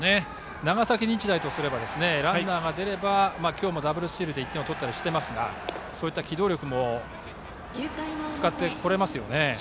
長崎日大とすればランナーが出れば今日もダブルスチールで１点を取ったりしていますがそういった機動力も使ってこれますよね。